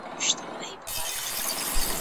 تاريخي پېښې بايد په بې پرې توګه وڅېړل سي.